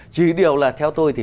chỉ điều là theo tôi thì